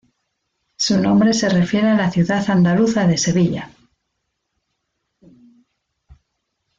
Su nombre se refiere a la ciudad andaluza de Sevilla.